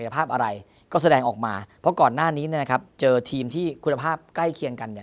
เพราะก่อนหน้านี้เจอทีมที่คุณภาพใกล้เคียงกัน